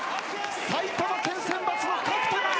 埼玉県選抜の角田が。